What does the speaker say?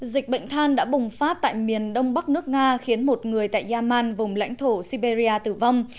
dịch bệnh than đã bùng phát tại miền đông bắc nước nga khiến một người tại yaman vùng lãnh thổ siberia tử vong